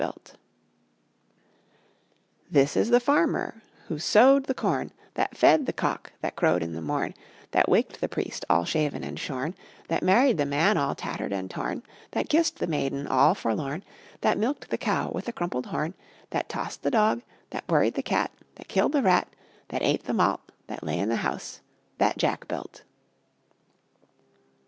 This is the Farmer who sowed the corn, That fed the Cock that crowed in the morn, That waked the Priest all shaven and shorn, That married the Man all tattered and torn, That kissed the Maiden all forlorn, That milked the Cow with the crumpled horn, That tossed the Dog, That worried the Cat, That killed the Rat, That ate the Malt, That lay in the House that Jack built.